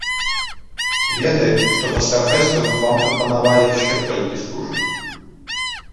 Ведаю, што пасля фэсту вам прапанавалі яшчэ колькі стужак.